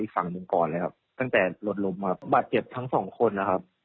อีกฝั่งหนึ่งก่อนแล้วครับตั้งแต่หลดลมมาบาดเจ็บทั้งสองคนนะครับ